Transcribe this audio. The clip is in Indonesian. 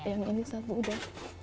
yang ini satu udah